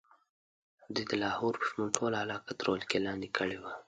دوی د لاهور په شمول ټوله علاقه تر ولکې لاندې کړې وه.